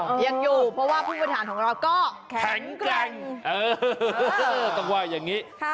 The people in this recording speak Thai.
ยังอยู่เพราะผู้บริษัทของเราก็แข็งแกร่ง